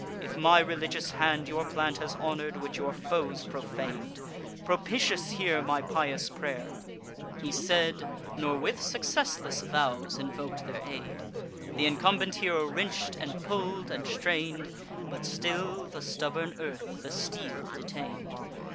If my religious hand Your plant has honour'd, which your foes profan'd, Propitious hear my pious pray'r!" He said, Nor with successless vows invok'd their aid. Th' incumbent hero wrench'd, and pull'd, and strain'd; But still the stubborn earth the steel detain'd.